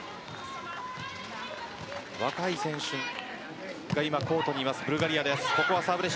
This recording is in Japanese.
若い選手が今、コートにいますブルガリアです。